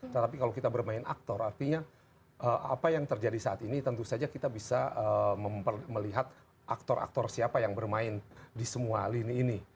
tetapi kalau kita bermain aktor artinya apa yang terjadi saat ini tentu saja kita bisa melihat aktor aktor siapa yang bermain di semua lini ini